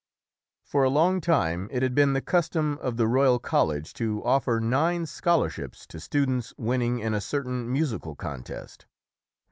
For a long time, it had been the custom of the Royal College to offer nine scholarships to stu dents winning in a certain musical contest.